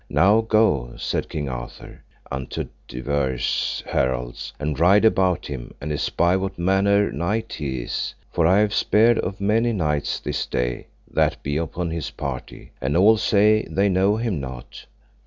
Now go, said King Arthur unto divers heralds, and ride about him, and espy what manner knight he is, for I have spered of many knights this day that be upon his party, and all say they know him not.